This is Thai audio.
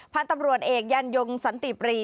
พันธุ์ตำรวจเอกยันยงสันติปรี